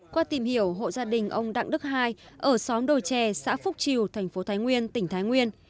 qua tìm hiểu hộ gia đình ông đặng đức hai ở xóm đồi trè xã phúc triều thành phố thái nguyên tỉnh thái nguyên